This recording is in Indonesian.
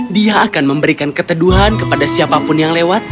dia akan memberikan keteduhan kepada siapapun yang lewat